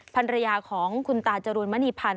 ภรรยาของคุณตาจรูนมณีพันธ